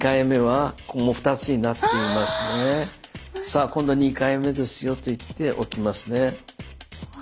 「さあ今度は２回目ですよ」と言って置きますね。